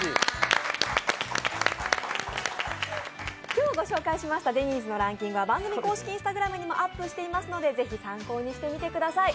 今日ご紹介しましたデニーズのランキングは番組公式Ｉｎｓｔａｇｒａｍにもアップしていますので、ぜひ参考にしてみてください。